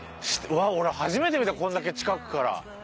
うわっ俺初めて見たこんだけ近くから。